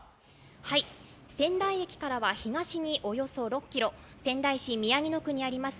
仙台駅からは東におよそ６キロ、仙台市宮城野区にあります